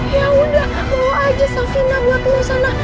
ya udah bawa aja safina buat lo sana